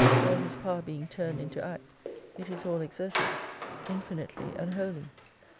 All His power being turned into Act, it is all exerted : infinitely and wholly.